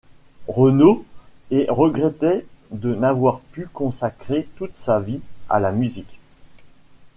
Renaud et regrettait de n'avoir pu consacrer toute sa vie à la musique.